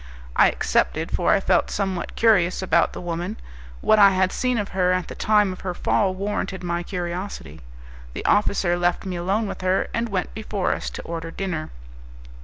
I accepted, for I felt somewhat curious about the woman. What I had seen of her at the time of her fall warranted my curiosity. The officer left me alone with her, and went before us to order dinner.